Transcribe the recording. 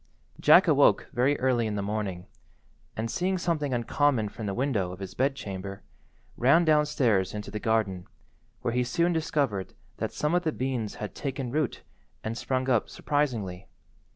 Jack awoke very early in the morning, and seeing something uncommon from the window of his bed–chamber, ran downstairs into the garden, where he soon discovered that some of the beans had taken root and sprung up surprisingly.